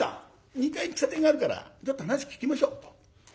２階に喫茶店があるからちょっと話聞きましょう」と。